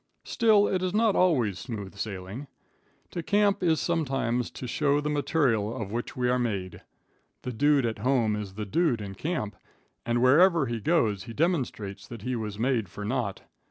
Still, it is not always smooth sailing. To camp, is sometimes to show the material of which we are made. The dude at home is the dude in camp, and wherever he goes he demonstrates that he was made for naught.